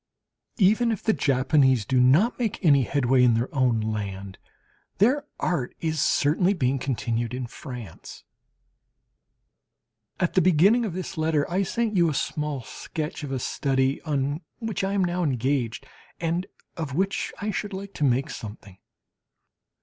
Even if the Japanese do not make any headway in their own land, their art is certainly being continued in France. At the beginning of this letter I send you a small sketch of a study on which I am now engaged, and of which I should like to make something.